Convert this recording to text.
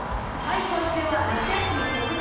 今週は「夏休み直前！